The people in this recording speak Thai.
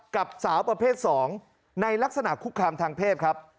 กับสาวประเภท๒ในลักษณะคุกคามทางเพศครับ